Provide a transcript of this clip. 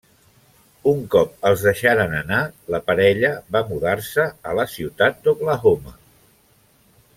Un cop els deixaren anar, la parella va mudar-se a la ciutat d'Oklahoma.